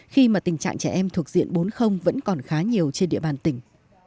khi mà tình trạng trẻ em thuộc diện bốn vẫn còn khá nhiều trên địa bàn tỉnh